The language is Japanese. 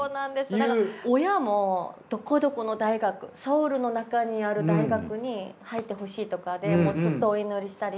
だから親もどこどこの大学ソウルの中にある大学に入ってほしいとかでずっとお祈りしたり。